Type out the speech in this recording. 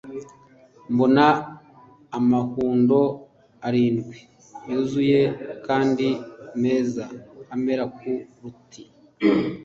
mbona amahundo arindwi yuzuye kandi meza amera ku ruti